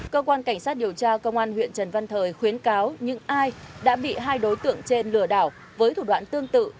cơ quan cảnh sát điều tra công an huyện trần văn thời khuyến cáo những ai đã bị hai đối tượng trên lừa đảo với thủ đoạn tương tự